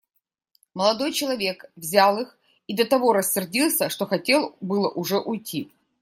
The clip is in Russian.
Молодой человек взял их и до того рассердился, что хотел было уже уйти.